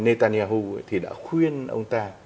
netanyahu thì đã khuyên ông ta